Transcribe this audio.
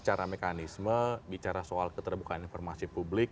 secara mekanisme bicara soal keterbukaan informasi publik